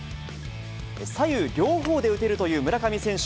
左右両方で打てるという村上選手。